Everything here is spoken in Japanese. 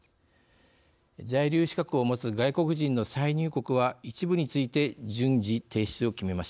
在留資格を持つ外国人の再入国は一部について順次停止を決めました。